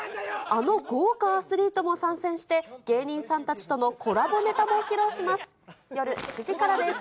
あの豪華アスリートも参戦して、芸人さんたちとのコラボネタも披露します。